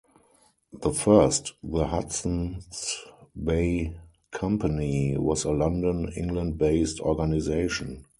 The first, the Hudson's Bay Company, was a London, England-based organization.